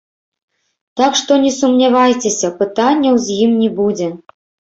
Так што не сумнявайцеся, пытанняў з ім не будзе.